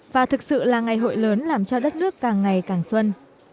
và thực sự là ngày hội lớn làm cho đất nước càng ngày càng xuân